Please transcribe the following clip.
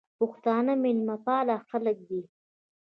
پښتانه مېلمپال خلک دي.